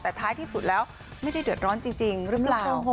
แต่ท้ายที่สุดแล้วไม่ได้เดือดร้อนจริงหรือเปล่า